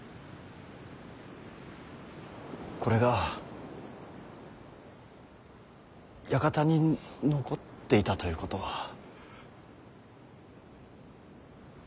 これが館に残っていたということは。